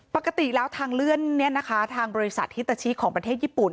ปกติแล้วทางเลื่อนนี้นะคะทางบริษัทฮิตาชิของประเทศญี่ปุ่น